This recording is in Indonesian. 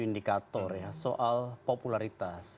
indikator ya soal popularitas